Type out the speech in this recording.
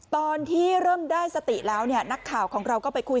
ตอนที่เริ่มได้สติแล้วเนี่ยนักข่าวของเราก็ไปคุย